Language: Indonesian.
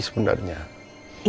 sampai jumpa lagi